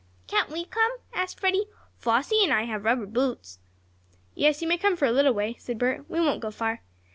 "Can't we come?" asked Freddie. "Flossie and I have rubber boots." "Yes, you may come for a little way," said Bert. "We won't go far.